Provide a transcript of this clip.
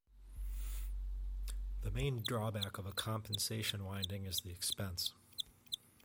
The main drawback of a compensation winding is the expense.